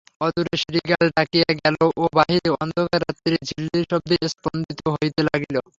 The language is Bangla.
অদূরে শৃগাল ডাকিয়া গেল ও বাহিরে অন্ধকার রাত্রি ঝিল্লির শব্দে স্পন্দিত হইতে লাগিল।